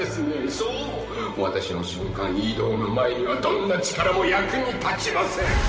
そう私の瞬間移動の前にはどんな力も役に立ちません。